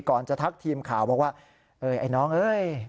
ก่อนจะทักทีมข่าวบอกว่าเอ้ยไอ้น้องเอ้ย